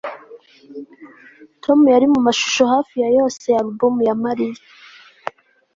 Tom yari mumashusho hafi ya yose ya alubumu ya Mariya